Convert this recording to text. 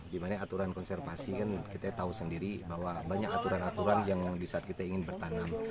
dimana aturan konservasi kan kita tahu sendiri bahwa banyak aturan aturan yang di saat kita ingin bertanam